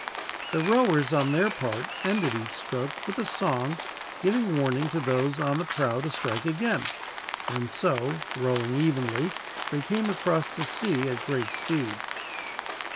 The rowers, on their part, ended each stroke with a song, giving warning to those on the prow to strike again; and so, rowing evenly, they came across the sea at great speed.